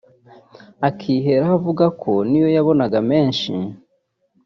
akiheraho avuga ko n’iyo yabonaga menshi